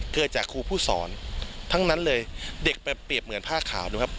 เกิดจากครูผู้สอนทั้งนั้นเลยเด็กไปเปรียบเหมือนผ้าขาวนะครับ